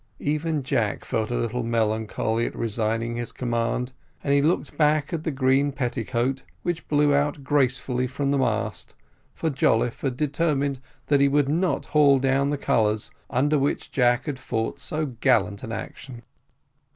Even Jack felt a little melancholy at resigning his command, and he looked back at the green petticoat, which blew out gracefully from the mast, for Jolliffe had determined that he would not haul down the colours under which Jack had fought so gallant an action.